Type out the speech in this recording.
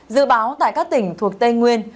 dự báo tại các tỉnh thuộc tây nguyên